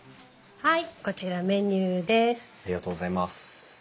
はい。